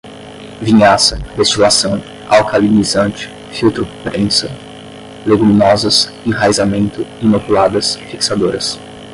vinhaça, destilação, alcalinizante, filtro prensa, leguminosas, enraizamento, inoculadas, fixadoras